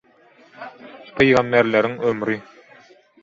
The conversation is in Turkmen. Pygamberleriň ömri.